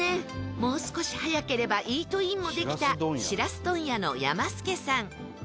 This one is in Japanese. もう少し早ければイートインもできたしらす問屋の山助さん。